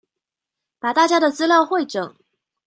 把大家的資料彙整